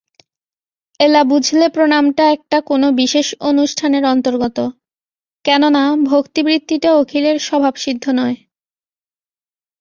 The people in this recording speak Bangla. এলা বুঝলে প্রণামটা একটা কোনো বিশেষ অনুষ্ঠানের অন্তর্গত, কেননা ভক্তিবৃত্তিটা অখিলের স্বভাবসিদ্ধ নয়।